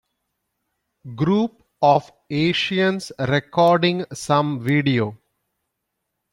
Group of Asians recording some video.